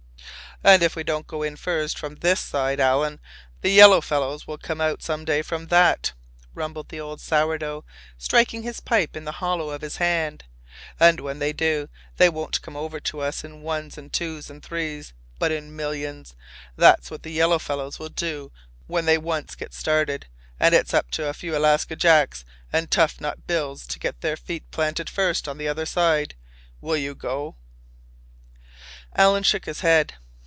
"And if we don't go in first from this side, Alan, the yellow fellows will come out some day from that," rumbled the old sour dough, striking his pipe in the hollow of his hand. "And when they do, they won't come over to us in ones an' twos an' threes, but in millions. That's what the yellow fellows will do when they once get started, an' it's up to a few Alaska Jacks an' Tough Nut Bills to get their feet planted first on the other side. Will you go?" Alan shook his head.